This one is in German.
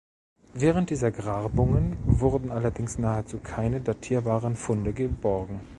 Während dieser Grabungen wurden allerdings nahezu keine datierbaren Funde geborgen.